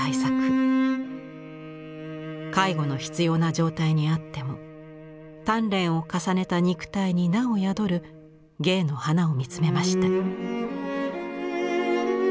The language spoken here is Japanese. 介護の必要な状態にあっても鍛錬を重ねた肉体になお宿る「芸の花」を見つめました。